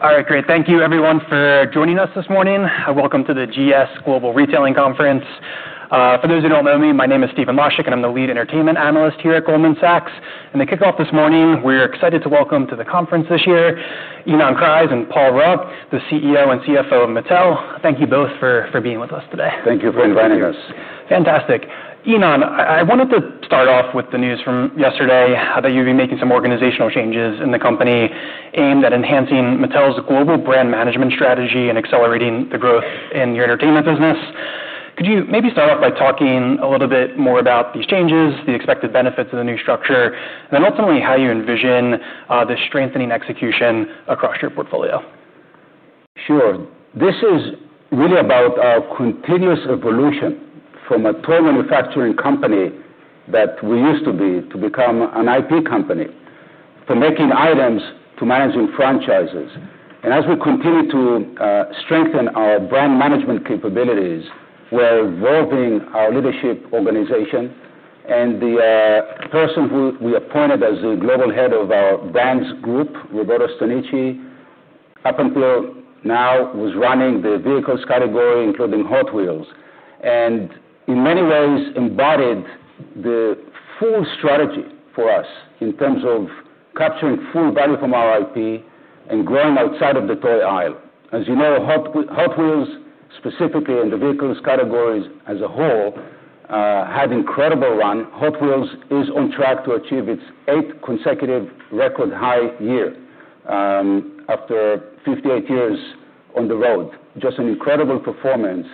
All right, great. Thank you, everyone, for joining us this morning. Welcome to the GS Global Retailing Conference. For those who don't know me, my name is Stephen Laschick, and I'm the Lead Entertainment Analyst here at Goldman Sachs. To kick off this morning, we're excited to welcome to the conference this year Ynon Kreiz and Anthony DiSilvestro, the CEO and CFO of Mattel. Thank you both for being with us today. Thank you for inviting us. Fantastic. Ynon, I wanted to start off with the news from yesterday about you making some organizational changes in the company aimed at enhancing Mattel's global brand management strategy and accelerating the growth in your entertainment business. Could you maybe start off by talking a little bit more about these changes, the expected benefits of the new structure, and then ultimately how you envision this strengthening execution across your portfolio? Sure. This is really about our continuous evolution from a toy manufacturing company that we used to be to become an IP company, from making items to managing franchises. As we continue to strengthen our brand management capabilities, we're evolving our leadership organization. The person we appointed as the Global Head of our Brands Group, Roberto Stanichi, up until now was running the vehicles category, including Hot Wheels, and in many ways embodied the full strategy for us in terms of capturing full value from our IP and growing outside of the toy aisle. As you know, Hot Wheels, specifically in the vehicles category as a whole, had an incredible run. Hot Wheels is on track to achieve its eighth consecutive record high year after 58 years on the road. Just an incredible performance.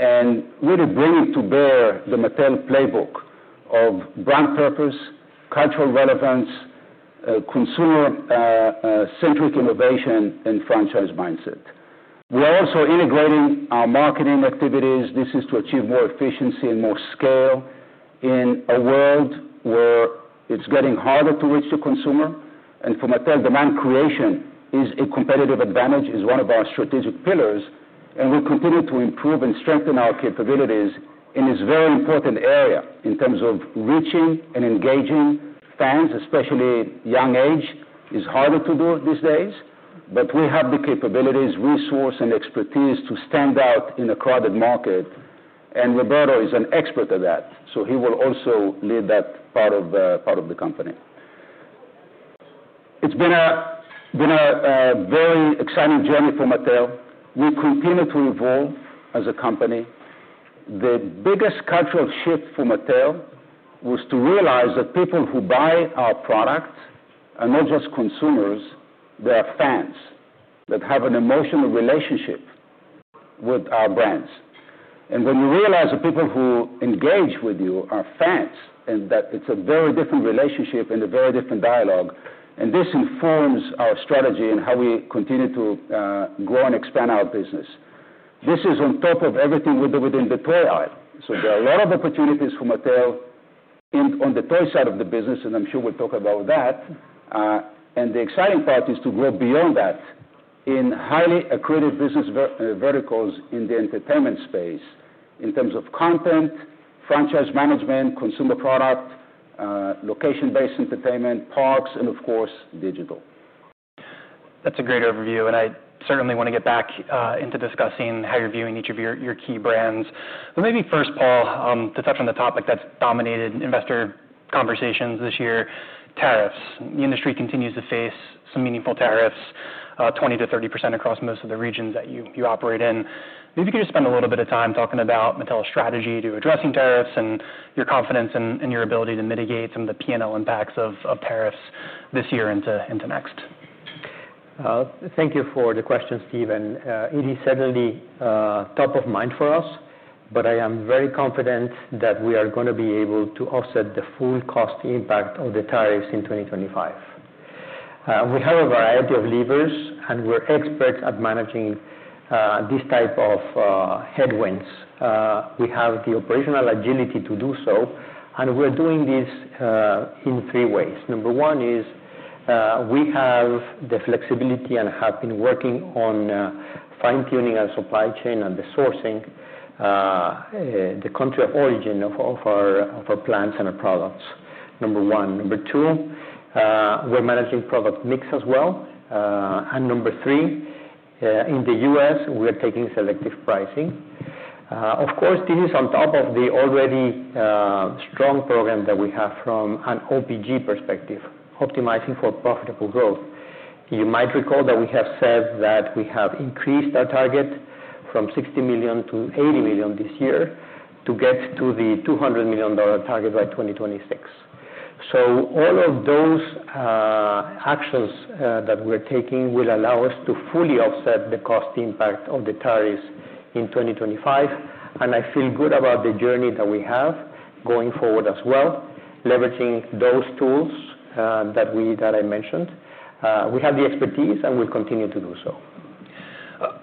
Really bringing to bear the Mattel playbook of brand purpose, cultural relevance, consumer-centric innovation, and franchise mindset. We're also integrating our marketing activities. This is to achieve more efficiency and more scale in a world where it's getting harder to reach the consumer. For Mattel, demand creation is a competitive advantage, is one of our strategic pillars. We continue to improve and strengthen our capabilities in this very important area in terms of reaching and engaging fans, especially young age. It's harder to do these days. We have the capabilities, resources, and expertise to stand out in a crowded market. Roberto is an expert at that. He will also lead that part of the company. It's been a very exciting journey for Mattel. We continue to evolve as a company. The biggest cultural shift for Mattel was to realize that people who buy our products are not just consumers. They are fans that have an emotional relationship with our brands. When you realize that people who engage with you are fans and that it's a very different relationship and a very different dialogue, this informs our strategy and how we continue to grow and expand our business. This is on top of everything we do within the toy aisle. There are a lot of opportunities for Mattel on the toy side of the business, and I'm sure we'll talk about that. The exciting part is to grow beyond that in highly accredited business verticals in the entertainment space in terms of content, franchise management, consumer product, location-based entertainment, parks, and of course, digital. That's a great overview. I certainly want to get back into discussing how you're viewing each of your key brands. Maybe first, Paul, to touch on the topic that's dominated investor conversations this year, tariffs. The industry continues to face some meaningful tariffs, 20%- 30% across most of the regions that you operate in. Maybe you could just spend a little bit of time talking about Mattel's strategy to addressing tariffs and your confidence in your ability to mitigate some of the P&L impacts of tariffs this year into next. Thank you for the question, Stephen. It is certainly top of mind for us. I am very confident that we are going to be able to offset the full cost impact of the tariffs in 2025. We have a variety of levers, and we're experts at managing this type of headwinds. We have the operational agility to do so. We're doing this in three ways. Number one is we have the flexibility and have been working on fine-tuning our supply chain and the sourcing, the country of origin of our plants and our products, number one. Number two, we're managing product mix as well. Number three, in the U.S., we are taking selective pricing. Of course, this is on top of the already strong program that we have from an OPG perspective, optimizing for profitable growth. You might recall that we have said that we have increased our target from $60 million- $80 million this year to get to the $200 million target by 2026. All of those actions that we're taking will allow us to fully offset the cost impact of the tariffs in 2025. I feel good about the journey that we have going forward as well, leveraging those tools that I mentioned. We have the expertise, and we'll continue to do so.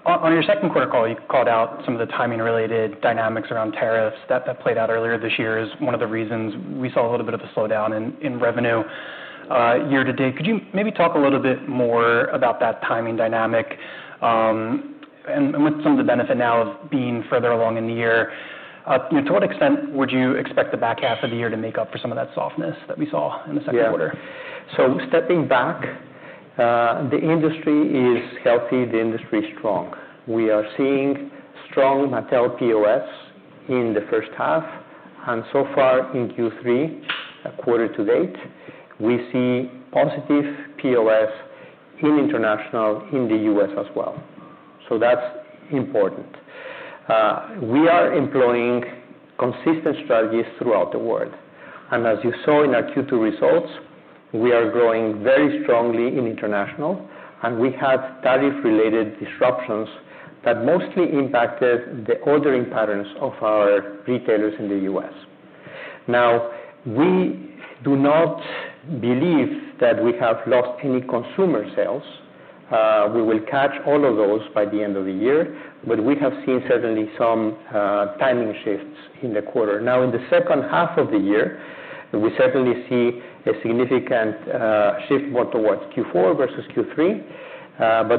On your second quarter, Paul, you called out some of the timing-related dynamics around tariffs that played out earlier this year as one of the reasons we saw a little bit of a slowdown in revenue year to date. Could you maybe talk a little bit more about that timing dynamic and what some of the benefits are now of being further along in the year? To what extent would you expect the back half of the year to make up for some of that softness that we saw in the second quarter? Yeah. Stepping back, the industry is healthy. The industry is strong. We are seeing strong Mattel POS in the first half, and so far, in Q3, quarter to date, we see positive POS in international and in the U.S. as well. That's important. We are employing consistent strategies throughout the world, and as you saw in our Q2 results, we are growing very strongly in international. We had tariff-related disruptions that mostly impacted the ordering patterns of our retailers in the U.S. We do not believe that we have lost any consumer sales. We will catch all of those by the end of the year. We have seen certainly some timing shifts in the quarter. In the second half of the year, we certainly see a significant shift more towards Q4 versus Q3.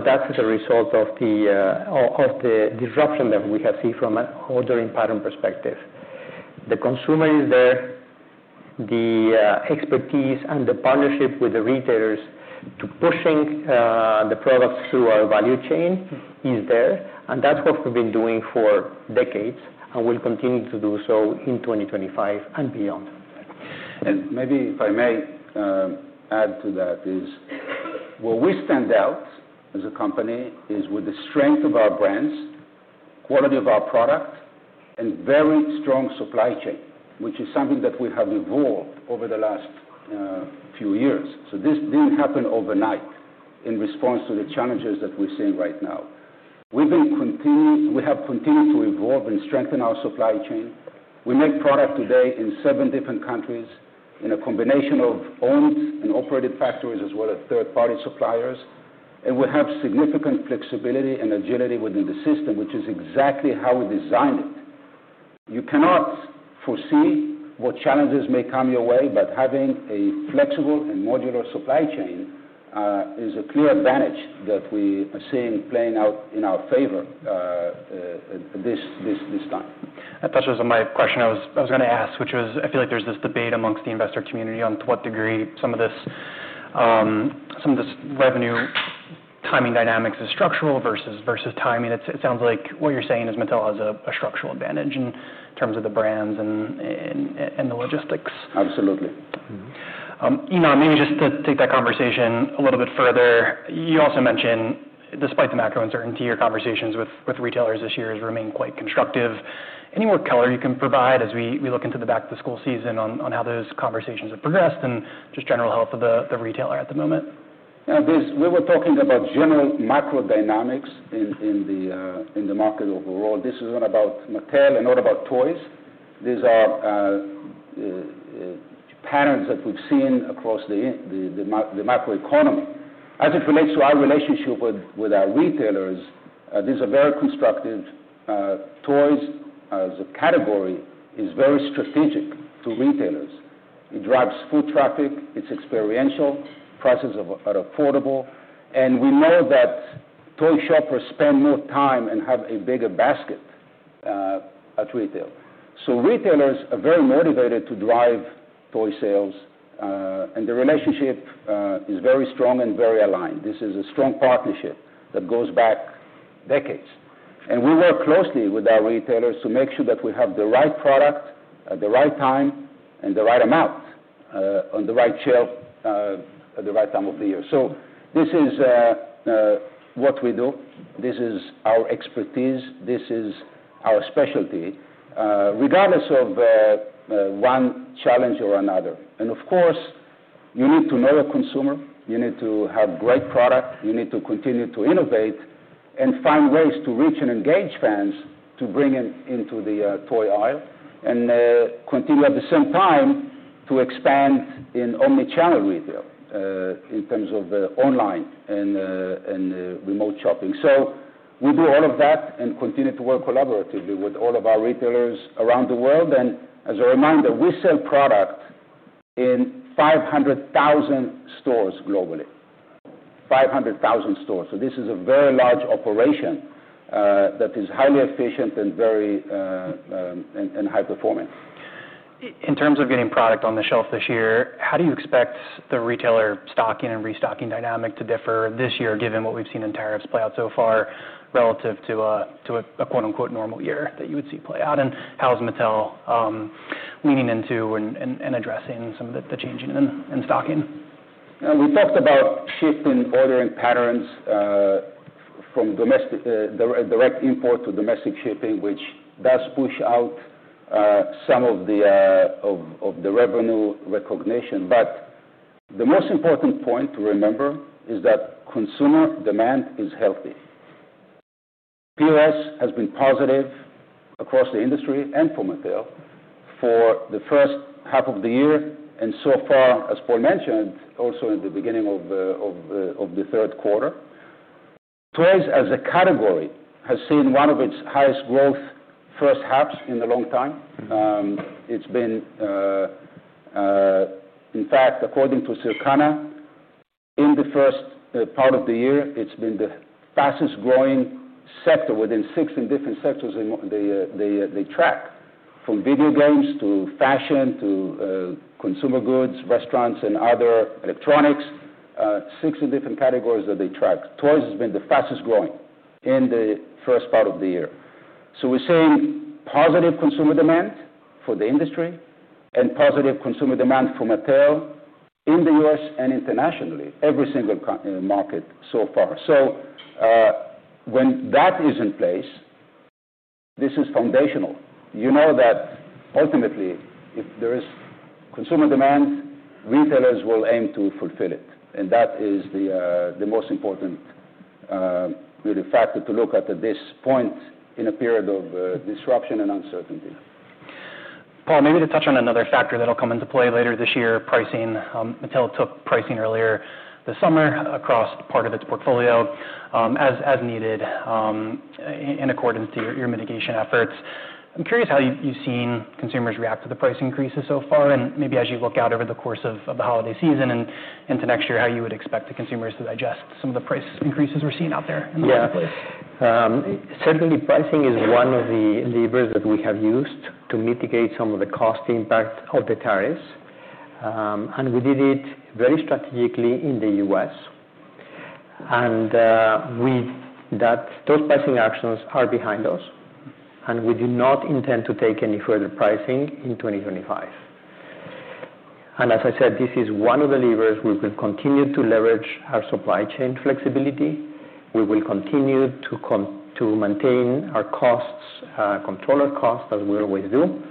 That's as a result of the disruption that we have seen from an ordering pattern perspective. The consumer is there. The expertise and the partnership with the retailers to push the products through our value chain is there. That's what we've been doing for decades and will continue to do so in 2025 and beyond. If I may add to that, where we stand out as a company is with the strength of our brands, the quality of our product, and a very strong supply chain, which is something that we have evolved over the last few years. This didn't happen overnight in response to the challenges that we're seeing right now. We have continued to evolve and strengthen our supply chain. We make product today in seven different countries in a combination of owned and operated factories, as well as third-party suppliers. We have significant flexibility and agility within the system, which is exactly how we designed it. You cannot foresee what challenges may come your way. Having a flexible and modular supply chain is a clear advantage that we are seeing playing out in our favor this time. That touches on my question I was going to ask, which was, I feel like there's this debate amongst the investor community on to what degree some of this revenue timing dynamics is structural versus time. It sounds like what you're saying is Mattel has a structural advantage in terms of the brands and the logistics. Absolutely. Ynon, maybe just to take that conversation a little bit further, you also mentioned, despite the macro uncertainty, your conversations with retailers this year have remained quite constructive. Any more color you can provide as we look into the back-to-school season on how those conversations have progressed and just general health of the retailer at the moment? Yeah, we were talking about general macro dynamics in the market overall. This is not about Mattel and not about toys. These are patterns that we've seen across the macroeconomy. As it relates to our relationship with our retailers, these are very constructive toys. The category is very strategic to retailers. It drives foot traffic. It's experiential. Prices are affordable. We know that toy shoppers spend more time and have a bigger basket at retail. Retailers are very motivated to drive toy sales, and the relationship is very strong and very aligned. This is a strong partnership that goes back decades. We work closely with our retailers to make sure that we have the right product at the right time and the right amount on the right shelf at the right time of the year. This is what we do. This is our expertise. This is our specialty, regardless of one challenge or another. Of course, you need to know the consumer. You need to have great product. You need to continue to innovate and find ways to reach and engage fans to bring them into the toy aisle and continue at the same time to expand in omnichannel retail in terms of online and remote shopping. We do all of that and continue to work collaboratively with all of our retailers around the world. As a reminder, we sell product in 500,000 stores globally, 500,000 stores. This is a very large operation that is highly efficient and very high-performing. In terms of getting product on the shelf this year, how do you expect the retailer stocking and restocking dynamic to differ this year, given what we've seen in tariffs play out so far relative to a quote-unquote "normal year" that you would see play out? How is Mattel leaning into and addressing some of the changing in stocking? We talked about shifting ordering patterns from direct import to domestic shipping, which does push out some of the revenue recognition. The most important point to remember is that consumer demand is healthy. POS has been positive across the industry and for Mattel for the first half of the year. As Paul mentioned, also in the beginning of the third quarter, toys as a category has seen one of its highest growth first halves in a long time. In fact, according to Circana, in the first part of the year, it's been the fastest growing sector within six different sectors they track, from video games to fashion to consumer goods, restaurants, and other electronics. Six different categories that they track, toys have been the fastest growing in the first part of the year. We are seeing positive consumer demand for the industry and positive consumer demand for Mattel in the U.S. and internationally, every single market so far. When that is in place, this is foundational. You know that ultimately, if there is consumer demand, retailers will aim to fulfill it. That is the most important really factor to look at at this point in a period of disruption and uncertainty. Paul, maybe to touch on another factor that will come into play later this year, pricing. Mattel took pricing earlier this summer across part of its portfolio as needed in accordance to your mitigation efforts. I'm curious how you've seen consumers react to the price increases so far. As you look out over the course of the holiday season and into next year, how you would expect the consumers to digest some of the price increases we're seeing out there in the marketplace. Certainly, pricing is one of the levers that we have used to mitigate some of the cost impact of the tariffs. We did it very strategically in the U.S., and with that, those pricing actions are behind us. We do not intend to take any further pricing in 2025. As I said, this is one of the levers. We will continue to leverage our supply chain flexibility. We will continue to maintain our costs, control our costs as we always do.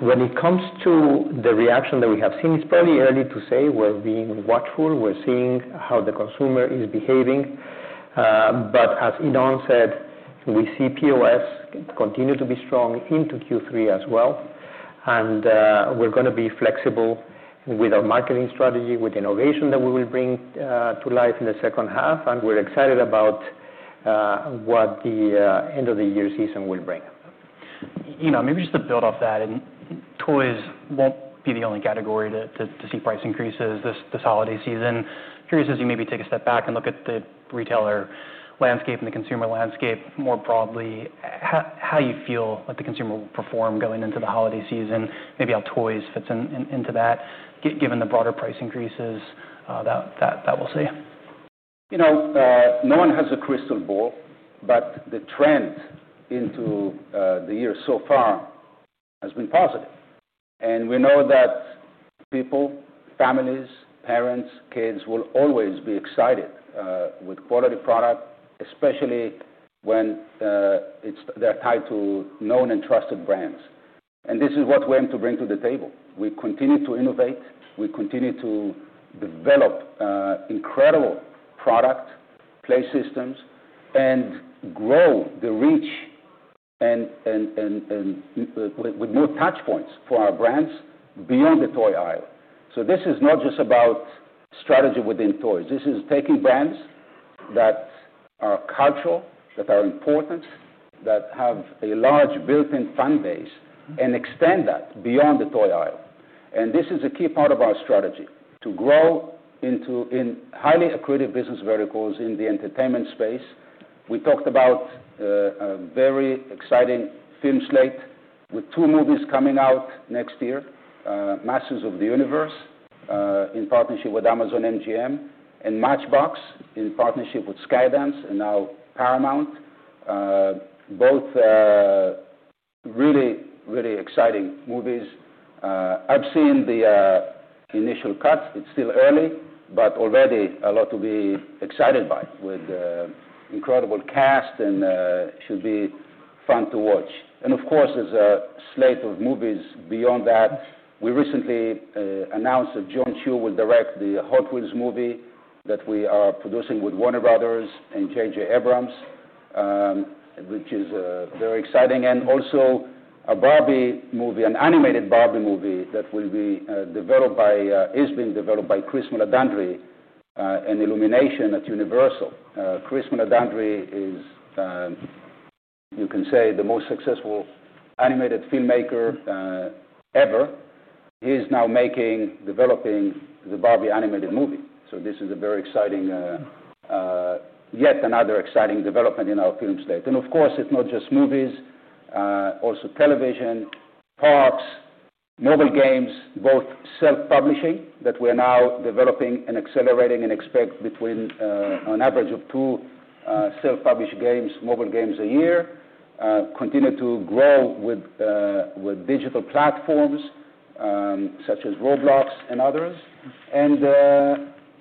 When it comes to the reaction that we have seen, it's probably early to say. We're being watchful. We're seeing how the consumer is behaving. As Ynon said, we see POS continue to be strong into Q3 as well. We're going to be flexible with our marketing strategy, with innovation that we will bring to life in the second half. We're excited about what the end-of-the-year season will bring. Ynon, maybe just to build off that, toys won't be the only category to see price increases this holiday season. Curious, as you maybe take a step back and look at the retailer landscape and the consumer landscape more broadly, how you feel that the consumer will perform going into the holiday season, maybe how toys fit into that, given the broader price increases that we'll see. You know, no one has a crystal ball. The trend into the year so far has been positive. We know that people, families, parents, kids will always be excited with quality product, especially when they're tied to known and trusted brands. This is what we aim to bring to the table. We continue to innovate. We continue to develop incredible products, play systems, and grow the reach with new touchpoints for our brands beyond the toy aisle. This is not just about strategy within toys. This is taking brands that are cultural, that are important, that have a large built-in fan base, and extend that beyond the toy aisle. This is a key part of our strategy to grow into highly accredited business verticals in the entertainment space. We talked about a very exciting film slate with two movies coming out next year, "Masters of the Universe," in partnership with Amazon MGM Studios, and "Matchbox" in partnership with Skydance Media and now Paramount Pictures. Both really, really exciting movies. I've seen the initial cut. It's still early, but already a lot to be excited by with the incredible cast. It should be fun to watch. There is a slate of movies beyond that. We recently announced that Jon M. Chu will direct the Hot Wheels movie that we are producing with Warner Bros. Pictures and J.J. Abrams, which is very exciting. Also a Barbie movie, an animated Barbie movie that is being developed by Chris Meledandri and Illumination at Universal Pictures. Chris Meledandri is, you can say, the most successful animated filmmaker ever. He is now making, developing the Barbie animated movie. This is a very exciting, yet another exciting development in our film slate. Of course, it's not just movies, also television, parks, mobile games, both self-publishing that we are now developing and accelerating and expect between an average of two self-published mobile games a year. Continue to grow with digital platforms such as Roblox and others.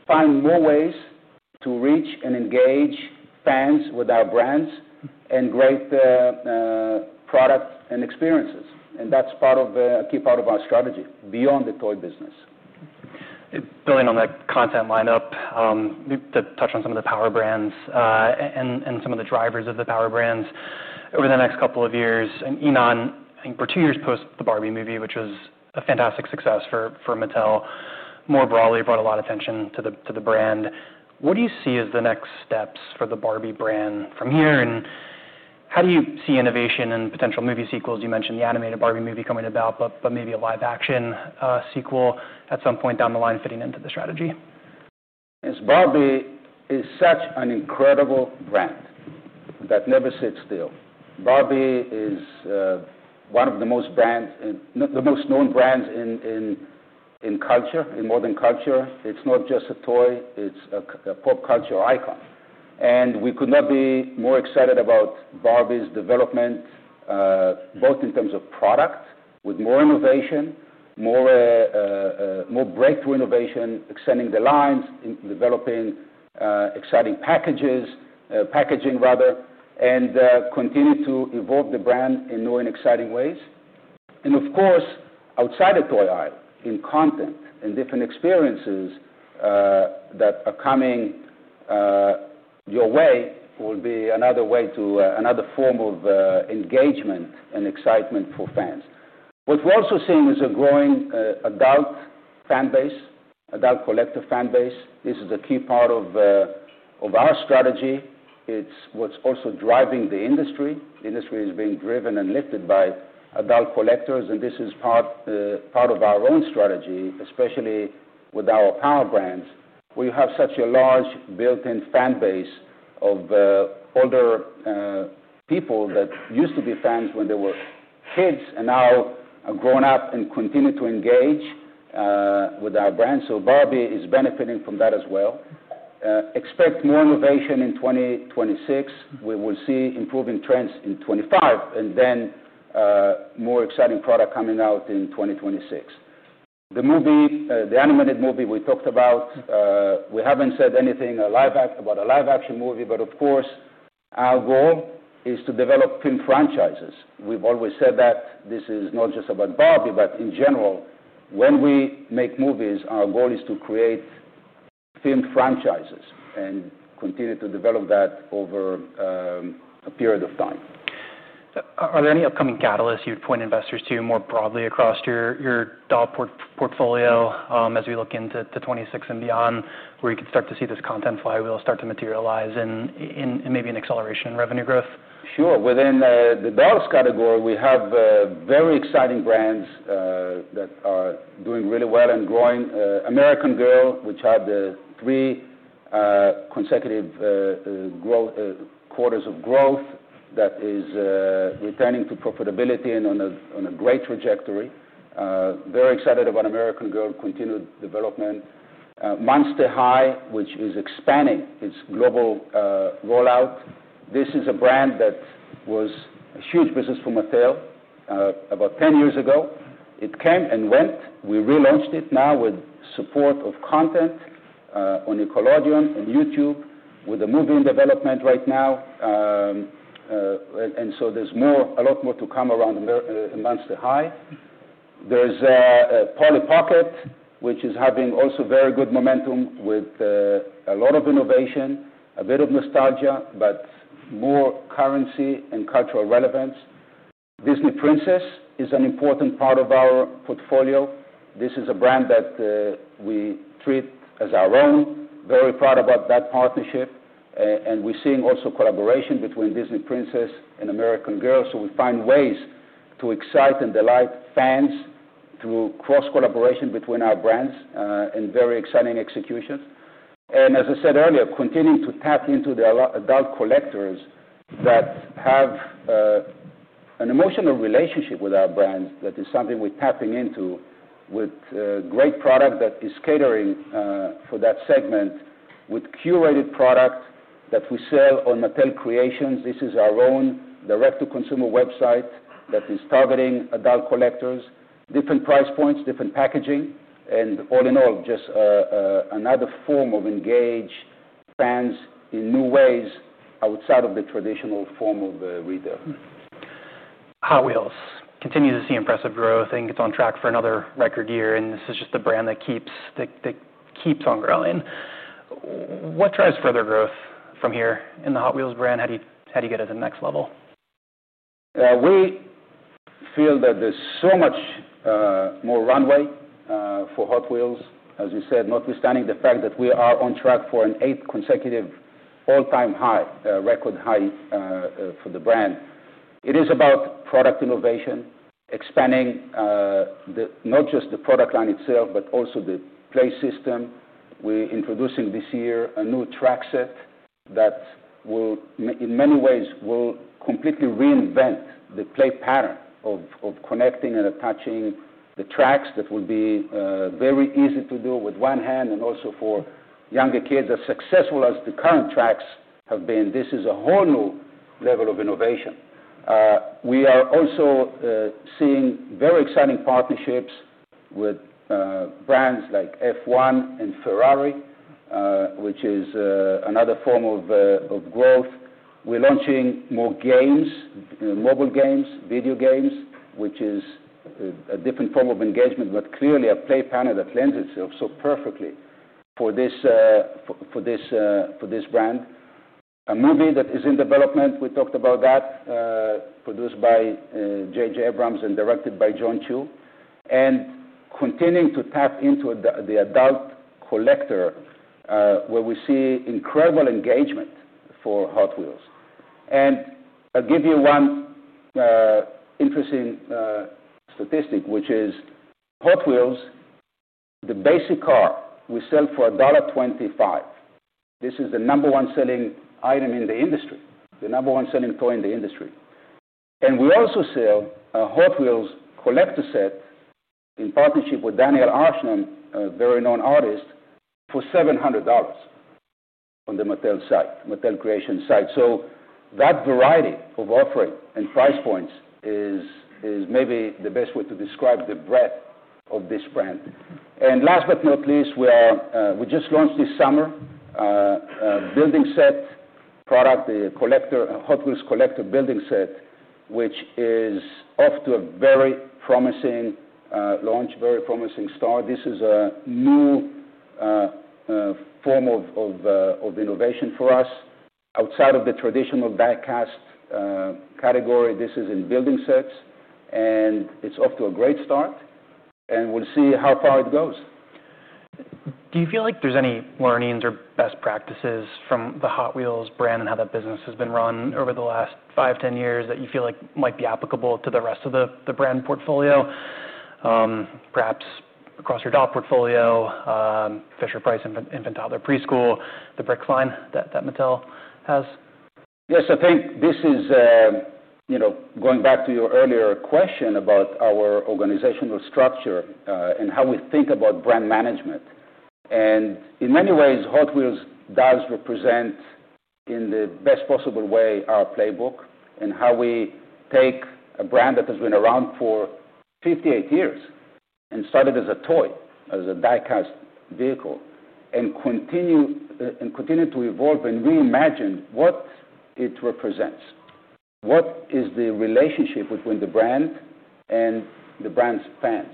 Find more ways to reach and engage fans with our brands and great product and experiences. That's a key part of our strategy beyond the toy business. Building on that content lineup, maybe to touch on some of the power brands and some of the drivers of the power brands over the next couple of years. Ynon, I think we're two years post the Barbie movie, which was a fantastic success for Mattel. More broadly, it brought a lot of attention to the brand. What do you see as the next steps for the Barbie brand from here? How do you see innovation and potential movie sequels? You mentioned the animated Barbie movie coming about, but maybe a live-action sequel at some point down the line fitting into the strategy. Barbie is such an incredible brand that never sits still. Barbie is one of the most known brands in culture, in modern culture. It's not just a toy. It's a pop culture icon. We could not be more excited about Barbie's development, both in terms of product, with more innovation, more breakthrough innovation, extending the lines, developing exciting packaging, and continuing to evolve the brand in new and exciting ways. Of course, outside the toy aisle, in content and different experiences that are coming your way, it will be another way to engage and create excitement for fans. What we're also seeing is a growing adult fan base, adult collector fan base. This is a key part of our strategy. It's what's also driving the industry. The industry is being driven and lifted by adult collectors. This is part of our own strategy, especially with our power brands, where you have such a large built-in fan base of older people that used to be fans when they were kids and now are grown up and continue to engage with our brands. Barbie is benefiting from that as well. Expect more innovation in 2026. We will see improving trends in 2025, and then more exciting product coming out in 2026. The animated movie we talked about, we haven't said anything about a live-action movie. Of course, our goal is to develop film franchises. We've always said that this is not just about Barbie, but in general, when we make movies, our goal is to create film franchises and continue to develop that over a period of time. Are there any upcoming catalysts you'd point investors to more broadly across your Doll portfolio as we look into 2026 and beyond, where you could start to see this content flywheel start to materialize and maybe an acceleration in revenue growth? Sure. Within the Dolls category, we have very exciting brands that are doing really well and growing. American Girl, which had three consecutive quarters of growth, is returning to profitability and on a great trajectory. Very excited about American Girl, continued development. Monster High, which is expanding its global rollout, is a brand that was a huge business for Mattel about 10 years ago. It came and went. We relaunched it now with support of content on Nickelodeon and YouTube, with a movie in development right now. There is a lot more to come around Monster High. There's Polly Pocket, which is having also very good momentum with a lot of innovation, a bit of nostalgia, but more currency and cultural relevance. Disney Princess is an important part of our portfolio. This is a brand that we treat as our own. Very proud about that partnership. We're seeing also collaboration between Disney Princess and American Girl. We find ways to excite and delight fans through cross-collaboration between our brands and very exciting executions. As I said earlier, continuing to tap into the adult collectors that have an emotional relationship with our brands, that is something we're tapping into with a great product that is catering for that segment, with curated product that we sell on Mattel Creations. This is our own direct-to-consumer website that is targeting adult collectors, different price points, different packaging. All in all, just another form of engaging fans in new ways outside of the traditional form of retail. Hot Wheels continues to see impressive growth and gets on track for another record year. This is just the brand that keeps on growing. What drives further growth from here in the Hot Wheels brand? How do you get it to the next level? We feel that there's so much more runway for Hot Wheels. As you said, notwithstanding the fact that we are on track for an eighth consecutive all-time high, record high for the brand. It is about product innovation, expanding not just the product line itself, but also the play system. We're introducing this year a new track set that will, in many ways, completely reinvent the play pattern of connecting and attaching the tracks that will be very easy to do with one hand and also for younger kids. As successful as the current tracks have been, this is a whole new level of innovation. We are also seeing very exciting partnerships with brands like F1 and Ferrari, which is another form of growth. We're launching more games, mobile games, video games, which is a different form of engagement, but clearly a play pattern that lends itself so perfectly for this brand. A movie that is in development, we talked about that, produced by J.J. Abrams and directed by John Chu, continuing to tap into the adult collector, where we see incredible engagement for Hot Wheels. I'll give you one interesting statistic, which is Hot Wheels, the basic car, we sell for $1.25. This is the number one selling item in the industry, the number one selling toy in the industry. We also sell a Hot Wheels collector set in partnership with Daniel Arsham, a very known artist, for $700 on the Mattel site, Mattel Creations site. That variety of offering and price points is maybe the best way to describe the breadth of this brand. Last but not least, we just launched this summer a building set product, the Hot Wheels collector building set, which is off to a very promising launch, very promising start. This is a new form of innovation for us. Outside of the traditional diecast category, this is in building sets. It's off to a great start. We'll see how far it goes. Do you feel like there's any learnings or best practices from the Hot Wheels brand and how that business has been run over the last five, ten years that you feel like might be applicable to the rest of the brand portfolio, perhaps across your Doll portfolio, Fisher-Price and Mattel, their preschool, the brick line that Mattel has? Yes, I think this is going back to your earlier question about our organizational structure and how we think about brand management. In many ways, Hot Wheels does represent in the best possible way our playbook and how we take a brand that has been around for 58 years and started as a toy, as a die-cast vehicle, and continue to evolve and reimagine what it represents, what is the relationship between the brand and the brand's fans,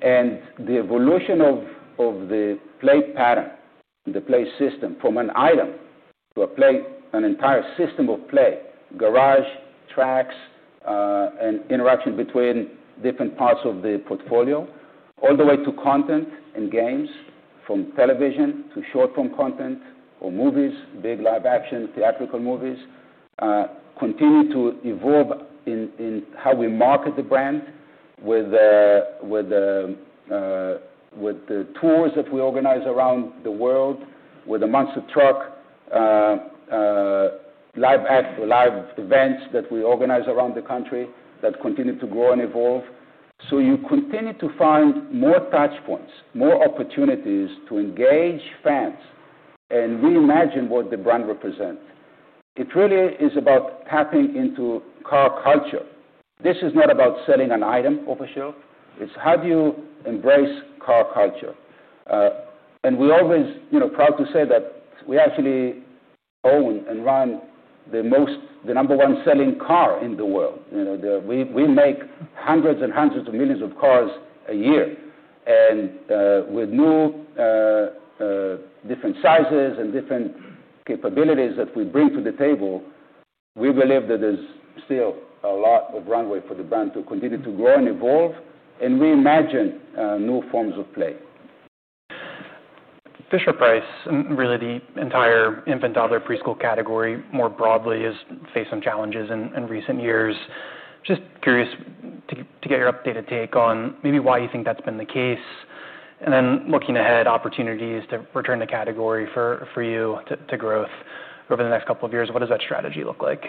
and the evolution of the play pattern and the play system from an item to an entire system of play, garage, tracks, and interaction between different parts of the portfolio, all the way to content and games, from television to short-form content or movies, big live action, theatrical movies, continue to evolve in how we market the brand with the tours that we organize around the world, with the Monster Truck live ad for live events that we organize around the country that continue to grow and evolve. You continue to find more touch points, more opportunities to engage fans and reimagine what the brand represents. It really is about tapping into car culture. This is not about selling an item off a show. It's how do you embrace car culture. We're always proud to say that we actually own and run the number one selling car in the world. We make hundreds and hundreds of millions of cars a year. With new different sizes and different capabilities that we bring to the table, we believe that there's still a lot of runway for the brand to continue to grow and evolve and reimagine new forms of play. Fisher-Price, really the entire infant, toddler, pre-school category more broadly has faced some challenges in recent years. Just curious to get your updated take on maybe why you think that's been the case. Looking ahead, opportunities to return the category for you to growth over the next couple of years, what does that strategy look like?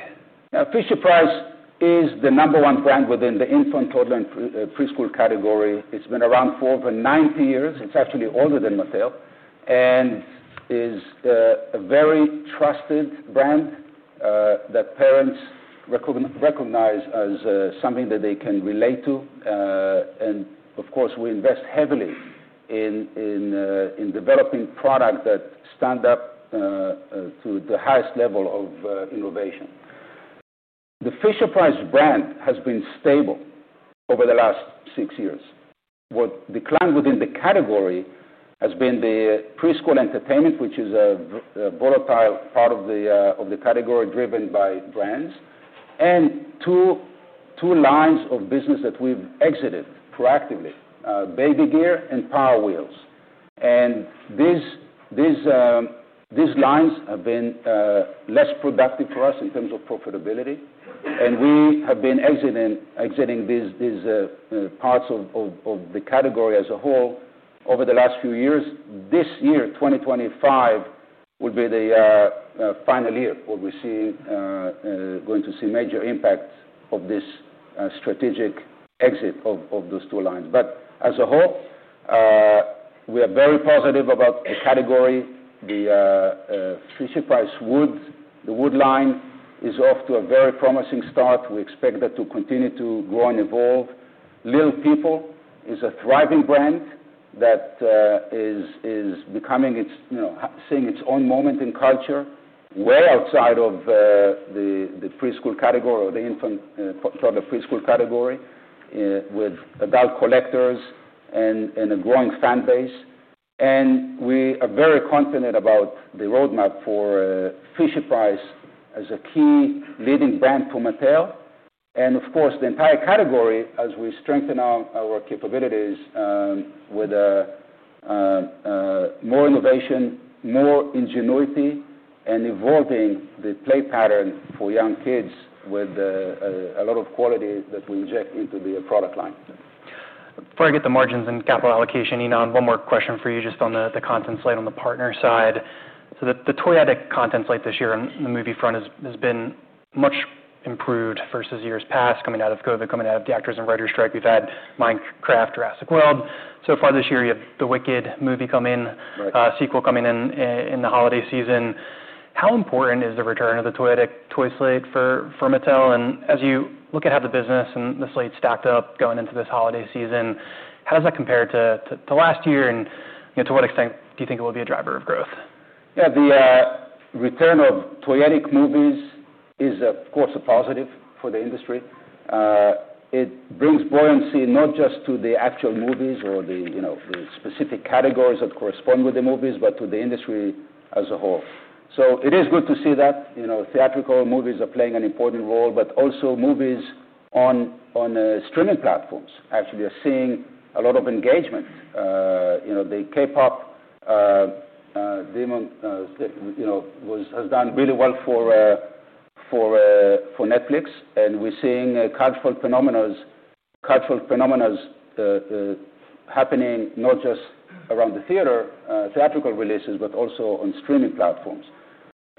Fisher-Price is the number one brand within the infant, toddler, and preschool category. It's been around for over 90 years. It's actually older than Mattel and is a very trusted brand that parents recognize as something that they can relate to. We invest heavily in developing products that stand up to the highest level of innovation. The Fisher-Price brand has been stable over the last six years. What declined within the category has been the preschool entertainment, which is a volatile part of the category driven by brands, and two lines of business that we've exited proactively, baby gear and Power Wheels. These lines have been less productive for us in terms of profitability. We have been exiting these parts of the category as a whole over the last few years. This year, 2025, will be the final year where we're going to see major impacts of this strategic exit of those two lines. As a whole, we are very positive about the category. The Fisher-Price Wood, the Wood line, is off to a very promising start. We expect that to continue to grow and evolve. Little People is a thriving brand that is seeing its own moment in culture, way outside of the preschool category or the infant, toddler, preschool category, with adult collectors and a growing fan base. We are very confident about the roadmap for Fisher-Price as a key leading brand to Mattel. The entire category, as we strengthen our capabilities with more innovation, more ingenuity, and evolving the play pattern for young kids with a lot of quality that we inject into the product line. Before I get to the margins and capital allocation, Ynon, one more question for you just on the content slate on the partner side. The toy-addict content slate this year on the movie front has been much improved versus years past, coming out of COVID, coming out of the actors and writers strike. We've had Minecraft, Jurassic World. This year, you have The Wicked movie coming in, sequel coming in in the holiday season. How important is the return of the toy slate for Mattel? As you look at how the business and the slate stacked up going into this holiday season, how does that compare to last year? To what extent do you think it will be a driver of growth? Yeah, the return of toy addict movies is, of course, a positive for the industry. It brings buoyancy, not just to the actual movies or the specific categories that correspond with the movies, but to the industry as a whole. It is good to see that theatrical movies are playing an important role, but also movies on streaming platforms actually are seeing a lot of engagement. The K-pop has done really well for Netflix. We are seeing cultural phenomenas happening not just around the theatrical releases, but also on streaming platforms.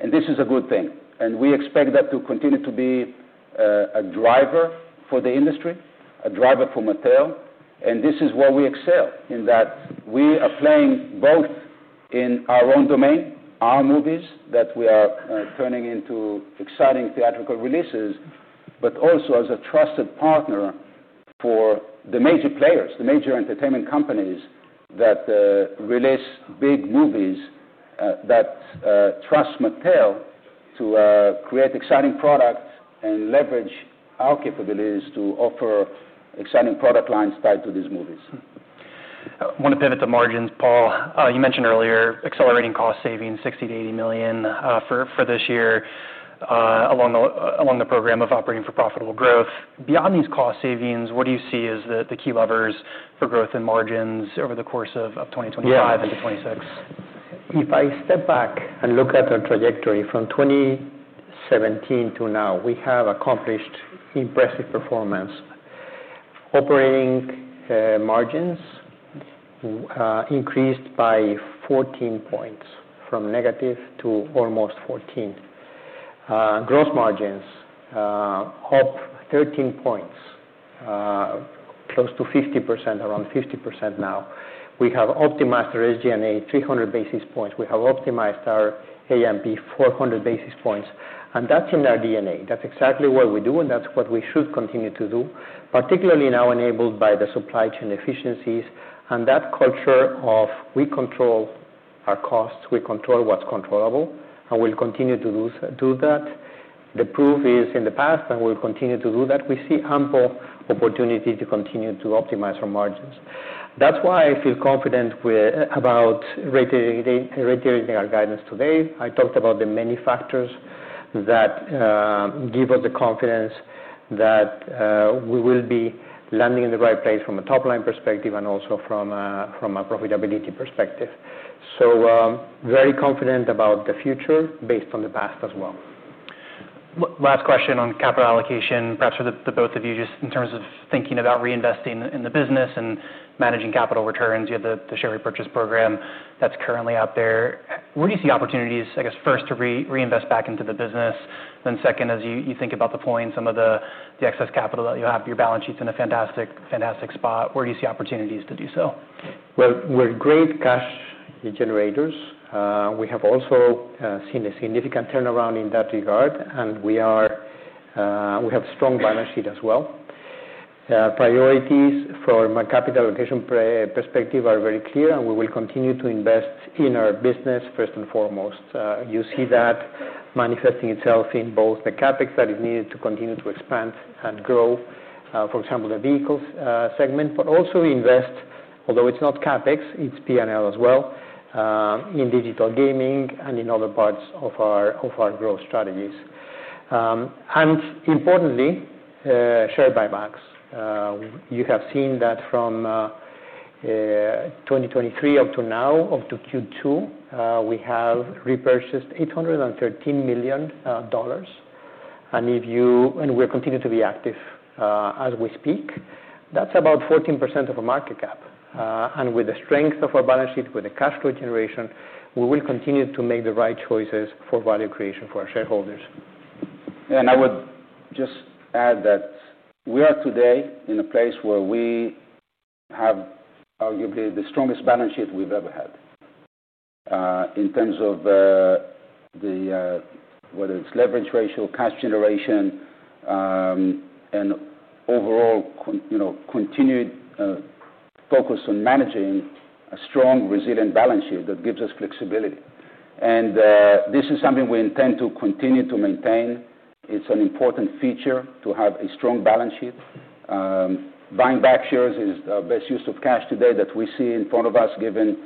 This is a good thing. We expect that to continue to be a driver for the industry, a driver for Mattel. This is where we excel, in that we are playing both in our own domain, our movies that we are turning into exciting theatrical releases, but also as a trusted partner for the major players, the major entertainment companies that release big movies that trust Mattel to create exciting products and leverage our capabilities to offer exciting product lines tied to these movies. I want to pivot to margins, Paul. You mentioned earlier accelerating cost savings, $60 million- $80 million for this year, along the program of operating for profitable growth. Beyond these cost savings, what do you see as the key levers for growth in margins over the course of 2025 into 2026? If I step back and look at our trajectory from 2017 to now, we have accomplished impressive performance. Operating margins increased by 14 points, from negative to almost 14 points. Gross margins up 13 points, close to 50%, around 50% now. We have optimized our SG&A 300 basis points. We have optimized our A&B 400 basis points. That is in our DNA. That is exactly what we do, and that is what we should continue to do, particularly now enabled by the supply chain efficiencies and that culture of we control our costs, we control what is controllable. We will continue to do that. The proof is in the past, and we will continue to do that. We see ample opportunity to continue to optimize our margins. That is why I feel confident about rendering our guidance today. I talked about the many factors that give us the confidence that we will be landing in the right place from a top-line perspective and also from a profitability perspective. Very confident about the future based on the past as well. Last question on capital allocation, perhaps for the both of you, just in terms of thinking about reinvesting in the business and managing capital returns, you have the share repurchase program that's currently out there. Where do you see opportunities, first to reinvest back into the business? Second, as you think about deploying some of the excess capital that you have, your balance sheet's in a fantastic spot. Where do you see opportunities to do so? We are a growth cash generator. We have also seen a significant turnaround in that regard, and we have a strong balance sheet as well. Priorities from a capital allocation perspective are very clear, and we will continue to invest in our business first and foremost. You see that manifesting itself in both the CapEx that is needed to continue to expand and grow, for example, the vehicles segment, but also invest, although it's not CapEx, it's P&L as well, in digital gaming and in other parts of our growth strategies. Importantly, share buybacks. You have seen that from 2023 up to now, up to Q2, we have repurchased $813 million, and we'll continue to be active as we speak. That's about 14% of our market cap. With the strength of our balance sheet, with the cash flow generation, we will continue to make the right choices for value creation for our shareholders. I would just add that we are today in a place where we have arguably the strongest balance sheet we've ever had in terms of whether it's leverage ratio, cash generation, and overall continued focus on managing a strong, resilient balance sheet that gives us flexibility. This is something we intend to continue to maintain. It's an important feature to have a strong balance sheet. Buying back shares is our best use of cash today that we see in front of us, given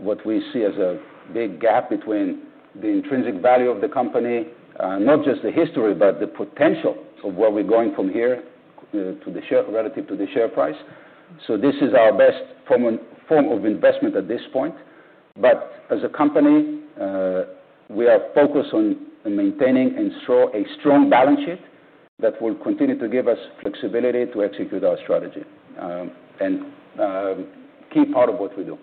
what we see as a big gap between the intrinsic value of the company, not just the history, but the potential of where we're going from here relative to the share price. This is our best form of investment at this point. As a company, we are focused on maintaining a strong balance sheet that will continue to give us flexibility to execute our strategy and a key part of what we do.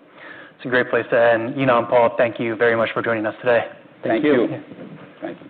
It's a great place to end. Ynon and Anthony, thank you very much for joining us today. Thank you. Thank you.